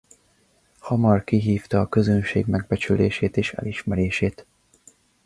Hamar kivívta a közönség megbecsülését és elismerését.